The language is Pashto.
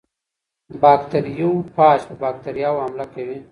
باکتریوفاج په باکتریاوو حمله کوي.